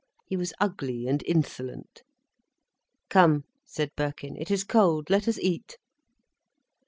He was ugly and insolent. "Come," said Birkin. "It is cold. Let us eat."